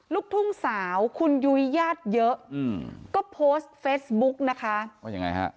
ลูกทุ่งสาวคุณยุ้ยญาติเยอะอืมก็โพสต์เฟซบุ๊กนะคะว่ายังไงฮะ